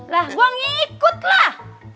lah gue ngikut lah